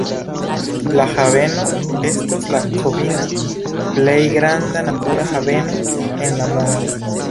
La haveno estas la kvina plej granda natura haveno en la mondo.